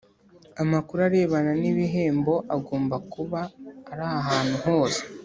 Amakuru arebana n ibihembo agomba kuba ari ahantu hose